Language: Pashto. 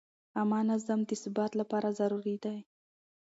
عامه نظم د ثبات لپاره ضروري دی.